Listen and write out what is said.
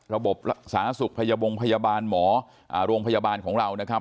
ระบบสาธารณสุขพยาบงพยาบาลหมอโรงพยาบาลของเรานะครับ